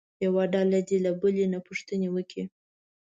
یوه ډله دې له بلې نه پوښتنې وکړي.